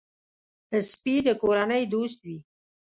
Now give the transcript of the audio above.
سپي د کورنۍ دوست وي.